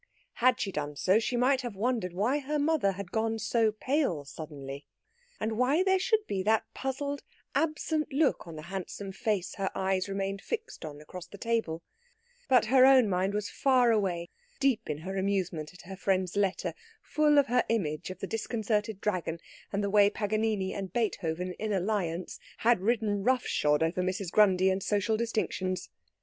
Had she done so she might have wondered why her mother had gone so pale suddenly, and why there should be that puzzled absent look on the handsome face her eyes remained fixed on across the table; but her own mind was far away, deep in her amusement at her friend's letter, full of her image of the disconcerted Dragon and the way Paganini and Beethoven in alliance had ridden rough shod over Mrs. Grundy and social distinctions.